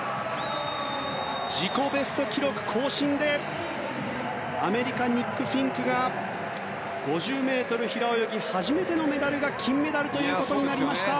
自己ベスト記録更新でアメリカ、ニック・フィンクが５０ｍ平泳ぎ初めてのメダルが金メダルということになりました。